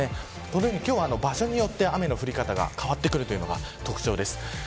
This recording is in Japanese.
今日はこのように場所によって雨の降り方が変わるのが特徴です。